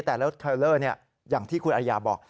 แต่รถเทลเลอร์อย่างที่คุณอายาบอก